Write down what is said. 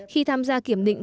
khi tham gia kiểm định